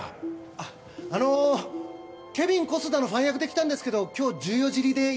あっあのケビン小須田のファン役で来たんですけど今日１４時入りでいいんですよね？